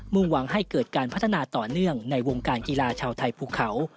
หวังให้เกิดการพัฒนาต่อเนื่องในวงการกีฬาชาวไทยภูเขา